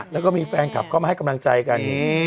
แล้วก็มีแฟนคลับเข้ามาให้กำลังใจกัน